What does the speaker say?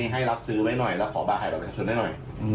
ให้รับซื้อไว้หน่อยแล้วขอบาขายกับประชาชนได้หน่อย